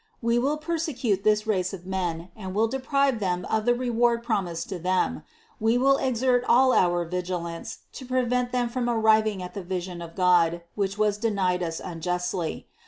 We will persecute this race of men and will de prive them of the reward promised to them. We will exert all our vigilance, to prevent them from arriving at the vision of God, which was denied us unjustly.